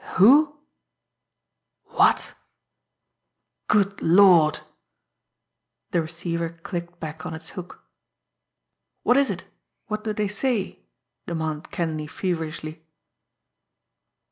... Who? ... What?... Good Lord!" The receiver clicked back on its hook. "What is it? What do they say?" demanded Kenleigh feverishly.